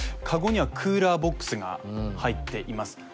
カゴにはクーラーボックスが入っています